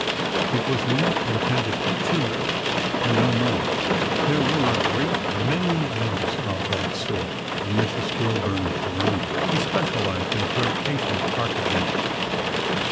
It was a nook intended for two and no more. There were a SECRET HISTORY 75 great many nooks of that sort on Mrs. Kilburn s veranda. She specialized in flirtation architecture.